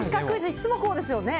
いつもこうですよね。